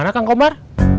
sampai kang komar